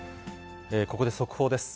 ここで速報です。